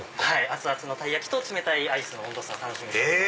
熱々のたい焼きと冷たいアイスの温度差を楽しむ商品なので。